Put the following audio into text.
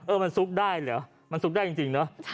มันซุกได้เหรอมันซุกได้จริงเนอะ